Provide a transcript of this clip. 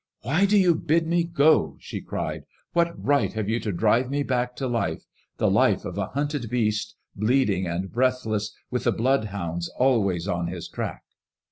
"Why do you bid me go?'* she cried. " What right have you to drive me back to life — the life of a hunted beast, bleed ing and breathless, with the bloodhounds always on his track